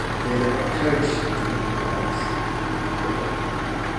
They were encouraged to improvise during recording.